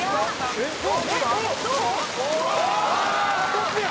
「トップや！」